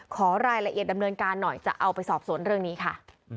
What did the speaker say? ขอรายละเอียดดำเนินการหน่อยจะเอาไปสอบสวนเรื่องนี้ค่ะ